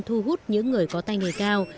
để thu hút những người có tay nghề cao